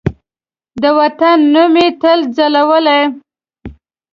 د وطن نوم یې تل ځلولی